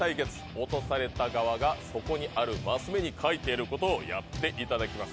落とされた側がそこにあるます目に書いてあることをやっていただきます。